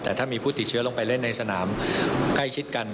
แต่ถ้ามีผู้ติดเชื้อลงไปเล่นในสนามใกล้ชิดกัน